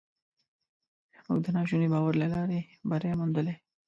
موږ د ناشوني باور له لارې بری موندلی.